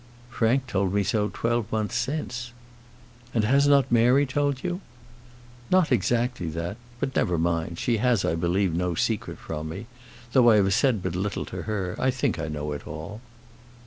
"Frank told me so twelve months since." "And has not Mary told you?" "Not exactly that. But, never mind; she has, I believe, no secret from me. Though I have said but little to her, I think I know it all."